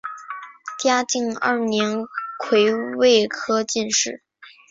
嘉靖二年癸未科进士。